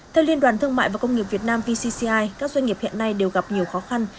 theo liên đoàn thương mại và công nghiệp việt nam vcci các doanh nghiệp hiện nay đều gặp nhiều khó khăn